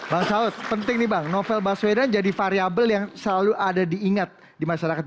bang saud penting nih bang novel baswedan jadi variable yang selalu ada diingat di masyarakat